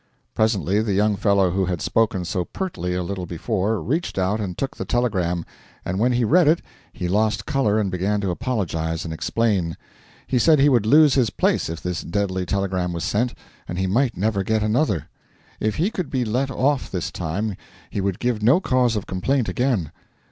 Presently the young fellow who had spoken so pertly a little before reached out and took the telegram, and when he read it he lost colour and began to apologise and explain. He said he would lose his place if this deadly telegram was sent, and he might never get another. If he could be let off this time he would give no cause of complaint again.